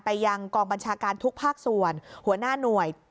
ยังกองบัญชาการทุกภาคส่วนหัวหน้าหน่วย